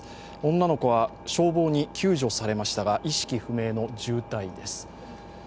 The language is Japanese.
女の子は消防に救助されましたが意識不明の重体です。